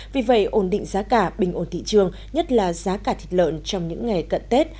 vì vậy ổn định giá cả bình ổn thị trường nhất là giá cả thịt lợn trong những ngày cận tết